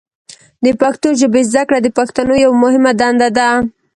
د پښتو ژبې زده کړه د پښتنو یوه مهمه دنده ده.